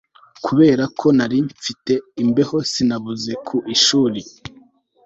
Kubera ko nari mfite imbeho sinabuze ku ishuri